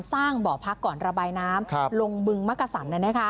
สร้างบ่อพักก่อนระบายน้ำลงบึงมกษัน